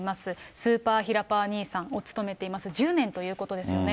スーパーひらパー兄さんを務めています、１０年ということですよね。